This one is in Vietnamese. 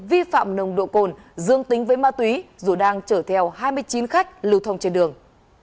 vi phạm nồng độ cồn dương tính với ma túy dù đang chở theo hai mươi chín khách lưu thông trên đường